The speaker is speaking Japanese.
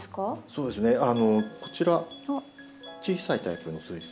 そうですねこちら小さいタイプのスイセン。